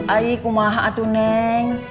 aikumaha atuh neng